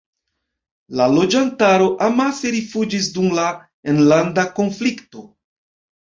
La loĝantaro amase rifuĝis dum la enlanda konflikto.